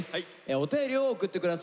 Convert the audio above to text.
お便りを送って下さい。